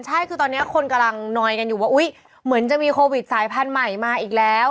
ใช่คือตอนนี้คนกำลังนอยกันอยู่ว่าอุ๊ยเหมือนจะมีโควิดสายพันธุ์ใหม่มาอีกแล้ว